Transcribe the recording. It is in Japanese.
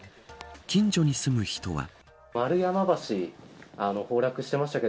近所に住む人は。